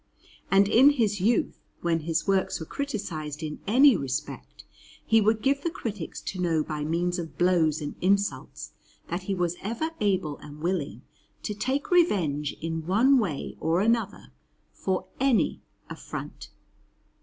And in his youth, when his works were criticized in any respect, he would give the critics to know by means of blows and insults that he was ever able and willing to take revenge in one way or another for any affront.